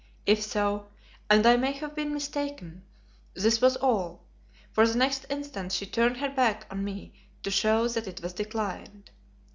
If so and I may have been mistaken this was all, for the next instant she turned her back on me to show that it was declined.